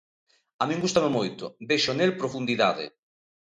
A min gústame moito, vexo nel profundidade.